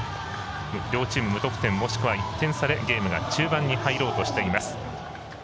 両チーム無得点もしくは１点差でゲームが中盤に入ろうとしています。